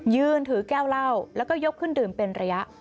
ยืนถือแก้วเหล้าแล้วก็ยกขึ้นดื่มเป็นระยะ